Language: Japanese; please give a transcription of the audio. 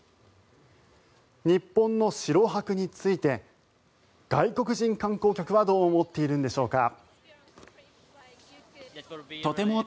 日本の城泊について外国人観光客はどう思っているのでしょうか。